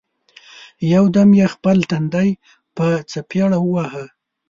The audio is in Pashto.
یو دم یې خپل تندی په څپېړه وواهه!